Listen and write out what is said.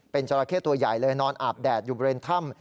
เป็นจราเข้ตัวใหญ่เลยนอนอาบแดดอยู่บริเวณถ้ำ